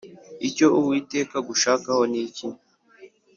Icyo Uwiteka agushakaho ni iki